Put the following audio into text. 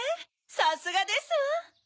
さすがですわ。